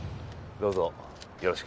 どうぞよろしく。